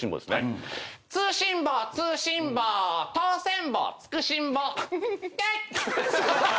「通信簿通信簿とおせんぼつくしんぼ」イェイ！